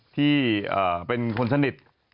ที่เป็นคนสนิท